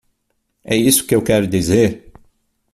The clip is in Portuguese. É isso que eu quero dizer?